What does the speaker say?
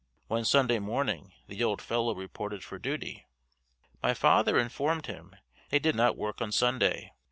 One Sunday morning the old fellow reported for duty. My father informed him they did not work on Sunday.